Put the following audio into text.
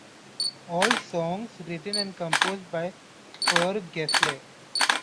All songs written and composed by Per Gessle.